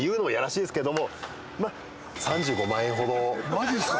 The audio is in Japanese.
マジですか？